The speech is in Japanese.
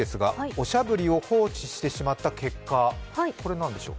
おしゃぶりを放置してしまった結果、これ何でしょう？